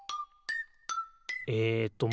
えっと